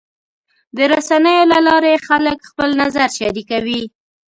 د رسنیو له لارې خلک خپل نظر شریکوي.